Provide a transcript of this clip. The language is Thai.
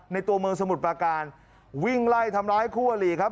ตัวเมืองสมุทรประการวิ่งไล่ทำร้ายคู่อลีครับ